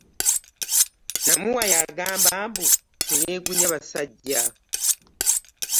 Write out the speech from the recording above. Namuwaya agamba mbu teyeeguya basajja.